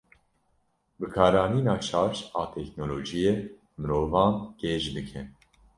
Bikaranîna şaş a teknolojiyê mirovan gêj dike.